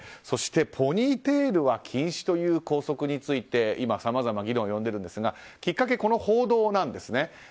そして、ポニーテールは禁止という校則について今、さまざま議論を呼んでいるんですがきっかけはこの報道なんですね。